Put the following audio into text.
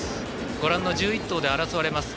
ご覧の１１頭で争われます。